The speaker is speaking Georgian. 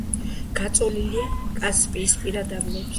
გაწოლილია კასპიისპირა დაბლობზე.